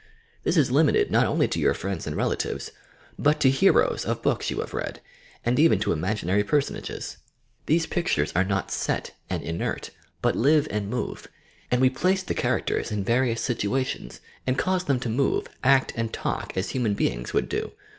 This is limited not only to your friends and relatives, but to heroes of books you have read, and even to imagi nary personages. These pictures are not set and inert; but live and move ; and we place the charact ers in various situations and cause them to move, act and talk as human beings would do.